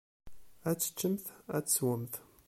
Ad teččemt, ad teswemt.